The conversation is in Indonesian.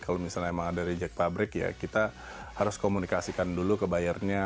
kalau misalnya emang ada reject pabrik ya kita harus komunikasikan dulu ke buyernya